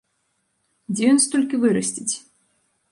Дзе ён столькі вырасціць?